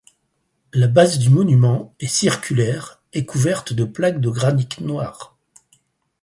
La base du monument est circulaire et couverte de plaques de granite noir.